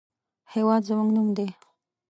هېواد زموږ نوم دی